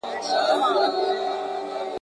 د ملا انډیوالي تر شکرانې وي ,